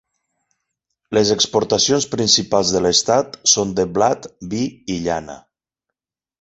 Les exportacions principals de l'estat són de blat, vi i llana.